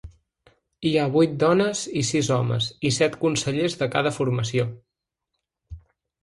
Hi ha vuit dones i sis homes i set consellers de cada formació.